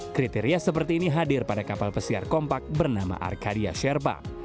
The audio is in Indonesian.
kriteria seperti ini hadir pada kapal pesiar kompak bernama arcadia sherpa